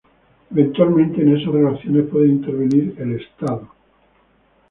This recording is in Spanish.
Eventualmente en esas relaciones puede intervenir el Estado.